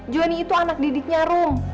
joni itu anak didiknya rum